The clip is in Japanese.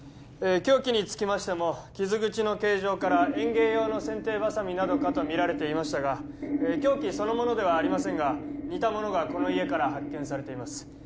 凶器につきましても傷口の形状から園芸用の剪定バサミなどかと見られていましたが凶器そのものではありませんが似たものがこの家から発見されています